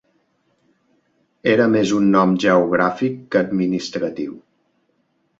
Era més un nom geogràfic que administratiu.